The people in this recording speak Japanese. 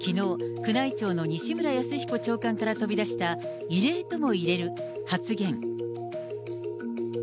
宮内庁の西村泰彦長官から飛び出した、異例ともいえる発言。